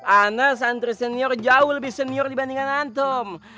ana santri senior jauh lebih senior dibandingkan antum